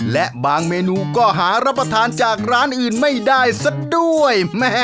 และบางเมนูก็หารับประทานจากร้านอื่นไม่ได้สักด้วย